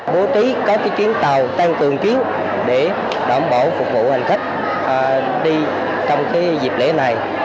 bố trí các chuyến tàu tăng cường cứu để đảm bảo phục vụ hành khách đi trong dịp lễ này